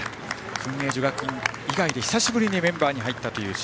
薫英女学院以外で久しぶりにメンバーに入ったという。